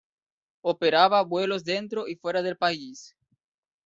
Operaba vuelos dentro y fuera del país.